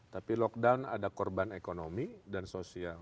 tapi lockdown ada korban ekonomi dan sosial